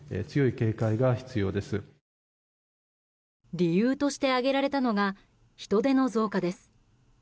理由として挙げられたのが人出の増加です。